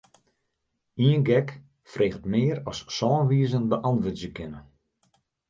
Ien gek freget mear as sân wizen beäntwurdzje kinne.